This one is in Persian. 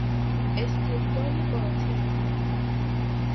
استدلال باطل